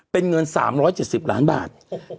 เป็นเงิน๓๗๐ล้านบาท